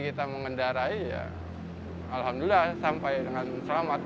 kita mengendarai ya alhamdulillah sampai dengan selamat